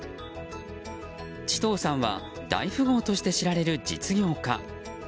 チトーさんは大富豪として知られる実業家。